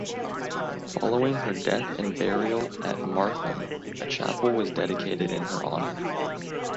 Following her death and burial at Martham, a chapel was dedicated in her honour.